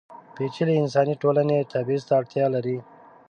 پېچلې انساني ټولنې تبعیض ته اړتیا لري.